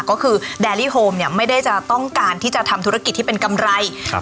ก็คือแดรี่โฮมเนี่ยไม่ได้จะต้องการที่จะทำธุรกิจที่เป็นกำไรครับ